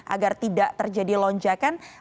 agar tidak terjadi lonjakan